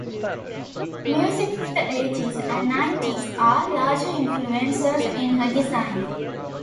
Music of the eighties and nineties are large influences in her designs.